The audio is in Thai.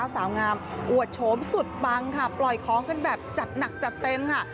สาวงามอวดโฉมสุดปังค่ะปล่อยของกันแบบจัดหนักจัดเต็มค่ะ